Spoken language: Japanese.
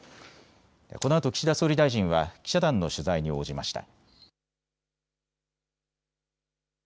このあと岸田総理大臣は記者団の取材に応じました。